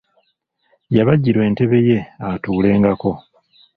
Yabajjirwa entebe ye atuulengako.